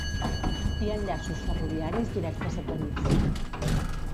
Hi ha enllaços ferroviaris directes a París.